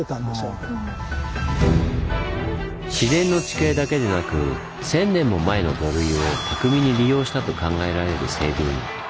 自然の地形だけでなく１，０００年も前の土塁を巧みに利用したと考えられる西軍。